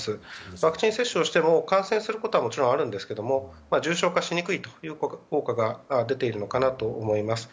ワクチン接種をしても感染することはもちろんありますが重症化しにくいという効果が出ているのかなと思います。